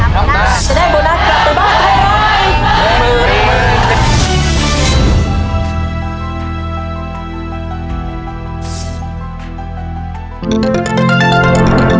จะได้โบนัสกลับไปบ้านไทยฟัง